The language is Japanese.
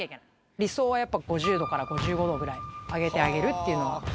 理想はやっぱ、５０度から５５度ぐらい上げてあげるっていうのが。